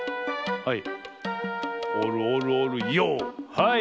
はい。